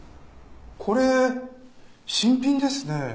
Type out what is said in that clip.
これ新品ですねえ。